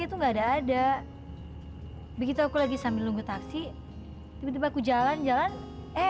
itu enggak ada begitu aku lagi sambil nunggu taksi tiba tiba aku jalan jalan eh